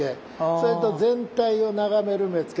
それと「全体を眺める目付」